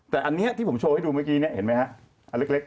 แต่อันนี้ที่ผมโชว์ให้ดูเมื่อกี้นี่เห็นไหมครับ